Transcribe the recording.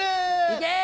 行け！